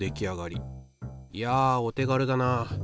いやお手軽だな。